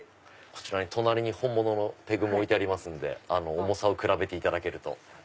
隣に本物のペグも置いてありますんで重さを比べていただけると。